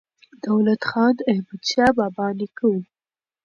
دولت خان د احمدشاه بابا نیکه و.